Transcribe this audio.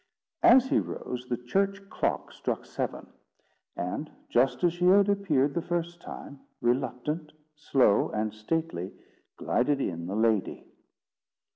As he rose, the church clock struck seven; and, just as she had appeared the first time, reluctant, slow, and stately, glided in the lady.